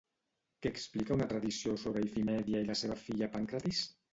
Què explica una tradició sobre Ifimèdia i la seva filla Pàncratis?